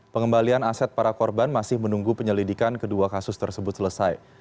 pengembalian aset para korban masih menunggu penyelidikan kedua kasus tersebut selesai